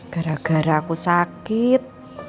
gara gara aku sakit